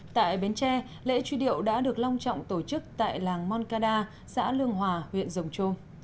tại bến tre lễ truy điệu đã được long trọng tổ chức tại làng moncada xã lương hòa huyện rồng trô